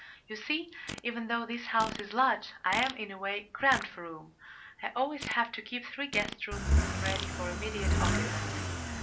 You see, even though this house is large, I am, in a way, cramped for room. I always have to keep three guest rooms ready for immediate occupancy.